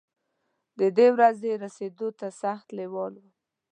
ددې ورځې رسېدو ته سخت لېوال وم.